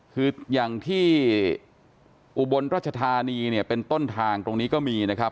คืออย่างที่อุบลรัชธานีเนี่ยเป็นต้นทางตรงนี้ก็มีนะครับ